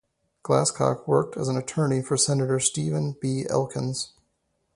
Glasscock worked as an attorney for Senator Stephen B. Elkins.